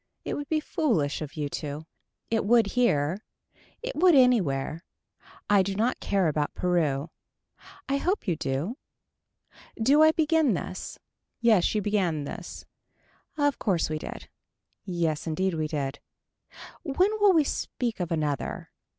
It would be foolish of you to. It would here. It would anywhere. I do not care about Peru. I hope you do. Do I begin this. Yes you began this. Of course we did. Yes indeed we did. When will we speak of another.